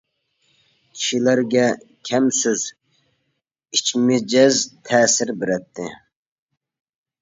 كىشىلەرگە كەم سۆز، ئىچ مىجەز تەسىر بېرەتتى.